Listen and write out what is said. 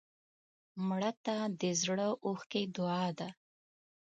مړه ته د زړه اوښکې دعا ده